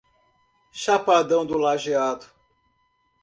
Chapadão do Lageado